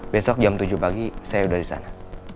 besok jam tujuh pagi saya udah disana